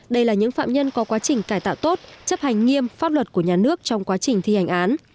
đây là những phạm nhân có quá trình cải tạo tốt chấp hành nghiêm pháp luật của nhà nước trong quá trình thi hành án